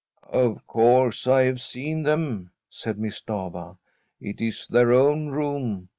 * Of course I have seen them,' said Miss Stafva. ' It is their own room.